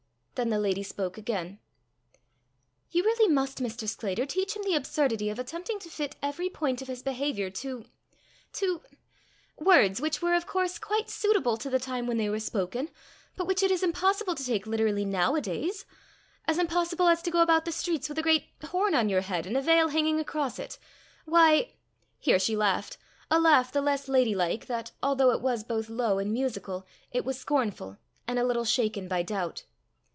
Then the lady spoke again: "You really must, Mr. Sclater, teach him the absurdity of attempting to fit every point of his behaviour to to words which were of course quite suitable to the time when they were spoken, but which it is impossible to take literally now a days as impossible as to go about the streets with a great horn on your head and a veil hanging across it. Why!" Here she laughed a laugh the less lady like that, although it was both low and musical, it was scornful, and a little shaken by doubt.